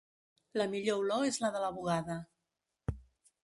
La millor olor és la de la bugada.